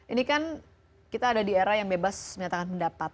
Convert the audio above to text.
ini kan kita ada di era yang bebas menyatakan pendapat